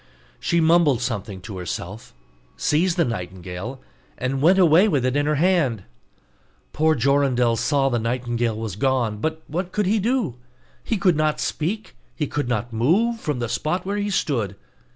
She mumbled something to herself, seized the nightingale, and went away with it in her hand. Poor Jorindel saw the nightingale was gone but what could he do? He could not speak, he could not move from the spot where he stood.